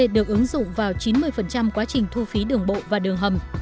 được ứng dụng vào chín mươi quá trình thu phí đường bộ và đường hầm